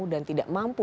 dan tidak mampu